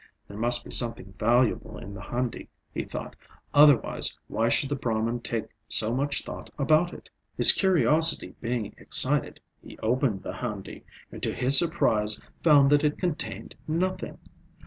There must be something valuable in the handi, he thought, otherwise why should the Brahman take so much thought about it? His curiosity being excited he opened the handi, and to his surprise found that it contained nothing.